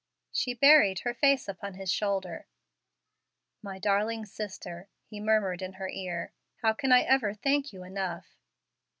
She buried her face upon his shoulder. "My darling sister!" he murmured in her ear. "How can I ever thank you enough?"